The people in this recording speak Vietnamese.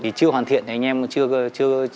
thì chưa hoàn thiện anh em chưa